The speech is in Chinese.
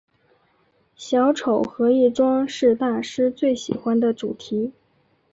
小丑和易装是大师最喜欢的主题。